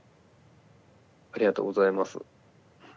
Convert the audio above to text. ありがとうございます。